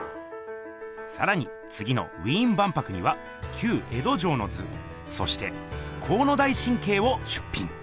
さらにつぎのウィーン万博には「旧江戸城之図」そして「国府台真景」を出ぴん！